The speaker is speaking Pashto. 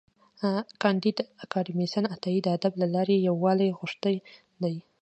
کانديد اکاډميسن عطایي د ادب له لارې یووالی غوښتی دی.